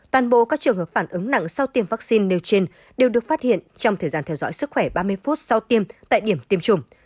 toàn bộ các trường hợp phản ứng nặng sau tiêm vaccine nêu trên đều được phát hiện trong thời gian theo dõi sức khỏe ba mươi phút sau tiêm tại điểm tiêm chủng